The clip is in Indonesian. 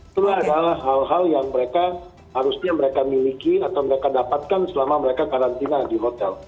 itu adalah hal hal yang mereka harusnya mereka miliki atau mereka dapatkan selama mereka karantina di hotel